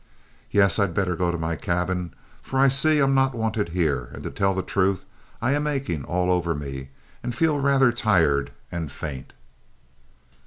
"Yes, I'd better go to my cabin, for I see I'm not wanted here; and, to tell the truth, I've an aching all over me, and feel rather tired and faint."